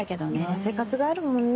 生活があるもんね。